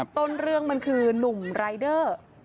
ต้นเรื่องมันคือนุ่มรายเดอร์